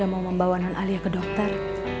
ada mau membawa non alia ke dokter